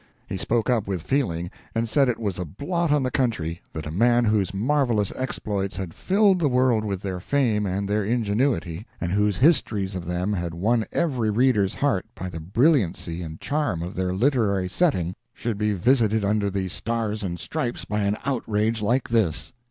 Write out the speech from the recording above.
He spoke up with feeling, and said it was a blot on the country that a man whose marvelous exploits had filled the world with their fame and their ingenuity, and whose histories of them had won every reader's heart by the brilliancy and charm of their literary setting, should be visited under the Stars and Stripes by an outrage like this.